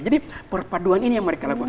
jadi perpaduan ini yang mereka lakukan